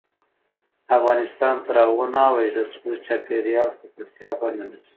افغانستان تر هغو نه ابادیږي، ترڅو د چاپیریال ککړتیا بنده نشي.